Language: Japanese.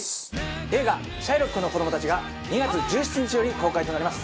映画『シャイロックの子供たち』が２月１７日より公開となります。